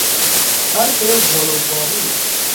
حرف غلوآمیز